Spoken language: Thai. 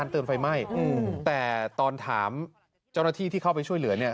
แต่ตอนถามเจ้าหน้าที่ที่เข้าไปช่วยเหลือ